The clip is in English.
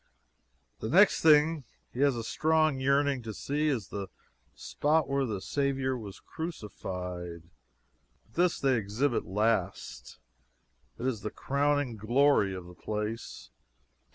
The next thing he has a strong yearning to see is the spot where the Saviour was crucified. But this they exhibit last. It is the crowning glory of the place.